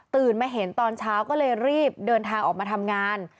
มาเห็นตอนเช้าก็เลยรีบเดินทางออกมาทำงาน